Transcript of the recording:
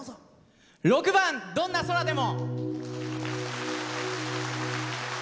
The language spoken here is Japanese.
６番「どんな空でも」。